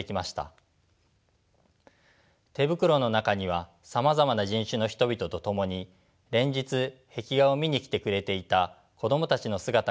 手袋の中にはさまざまな人種の人々と共に連日壁画を見に来てくれていた子供たちの姿が描かれています。